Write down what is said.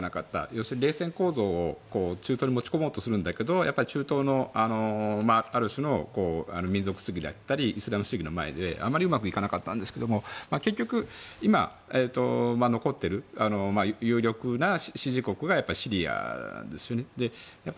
要するに、冷戦構造を中東に持ち込もうとするけど中東の、ある種の民族主義だったりイスラム主義の前であまりうまくいかなかったんですけども結局、今残っている有力な支持国がシリアですよね。